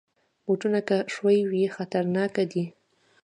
بوټونه که ښوی وي، خطرناک دي.